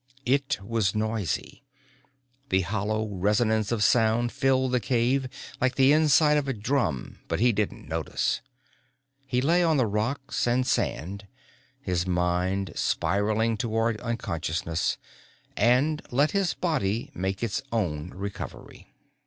It was noisy. The hollow resonance of sound filled the cave like the inside of a drum but he didn't notice. He lay on the rocks and sand, his mind spiraling toward unconsciousness, and let his body make its own recovery.